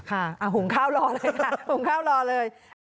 หุงข้าวรอเลยค่ะหุงข้าวรอเลย